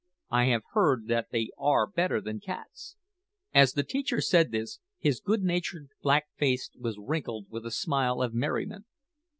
I have heard that they are better than cats." As the teacher said this, his good natured black face was wrinkled with a smile of merriment.